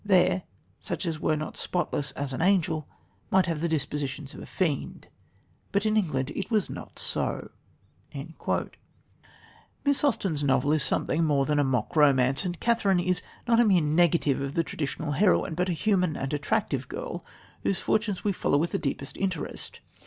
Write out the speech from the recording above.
There, such as were not spotless as an angel, might have the dispositions of a fiend. But in England it was not so." Miss Austen's novel is something more than a mock romance, and Catherine is not a mere negative of the traditional heroine, but a human and attractive girl, whose fortunes we follow with the deepest interest.